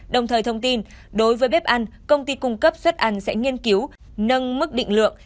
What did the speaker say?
đồng thời thông tin đối với bếp ăn công ty cung cấp suất ăn sẽ nghiên cứu nâng mức định lượng